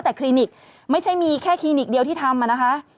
แต่คลินิกไม่ใช่มีแค่คลินิกเดียวที่ทำนะคะ